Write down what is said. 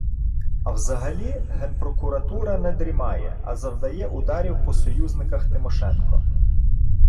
А взагалі Генпрокуратура не дрімає, а завдає ударів по союзниках Тимошенко.